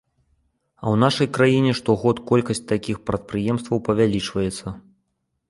А ў нашай краіне штогод колькасць такіх прадпрыемстваў павялічваецца.